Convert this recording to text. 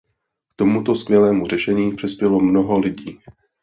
K tomuto skvělému řešení přispělo mnoho lidí.